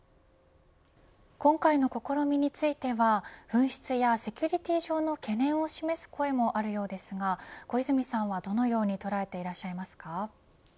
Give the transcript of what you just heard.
今回の試みについては紛失やセキュリティー上の懸念を示す声もあるようですが小泉さんはどのように捉えていらっしゃいますか。